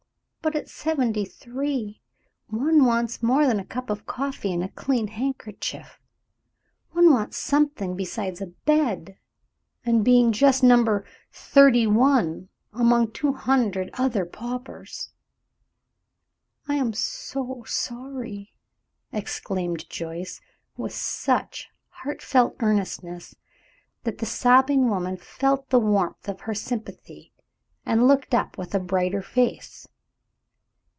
But at seventy three one wants more than a cup of coffee and a clean handkerchief. One wants something besides a bed and being just Number Thirty one among two hundred other paupers." "I am so sorry!" exclaimed Joyce, with such heartfelt earnestness that the sobbing woman felt the warmth of her sympathy, and looked up with a brighter face.